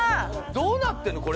どうなってんの？